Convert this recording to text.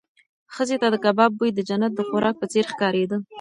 ښځې ته د کباب بوی د جنت د خوراک په څېر ښکارېده.